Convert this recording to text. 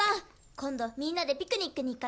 今度みんなでピクニックに行かない？